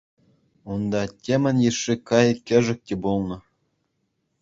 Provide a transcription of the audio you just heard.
Унта темӗн йышши кайӑк-кӗшӗк те пулнӑ.